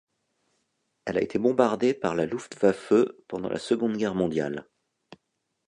Elle a été bombardée par la Luftwaffe pendant la Seconde Guerre mondiale.